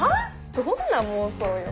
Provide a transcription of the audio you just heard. どんな妄想よ。